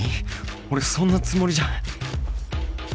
俺そんなつもりじゃ